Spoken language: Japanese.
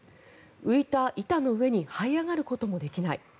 浮いた板の上にはい上がることもできない。